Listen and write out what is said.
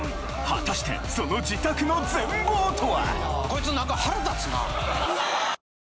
果たしてその自宅の全貌とは！？